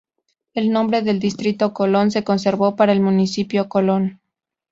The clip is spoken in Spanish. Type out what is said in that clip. El nombre del distrito Colón se conservó para el municipio Colón.